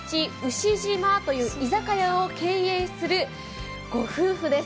しじまという居酒屋を経営する御夫婦です。